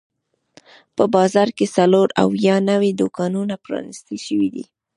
په بازار کې څلور اویا نوي دوکانونه پرانیستل شوي دي.